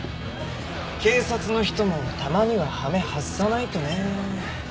警察の人もたまにははめ外さないとね。